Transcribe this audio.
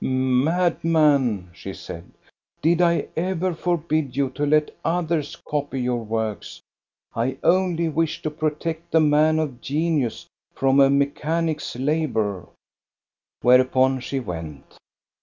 "Madman," she said, "did I ever forbid you to let others copy your works } I only wished to protect the man of genius from a mechanic's labor." Whereupon she went.